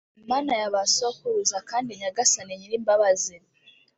«Mana y’abasokuruza, kandi Nyagasani Nyir’imbabazi,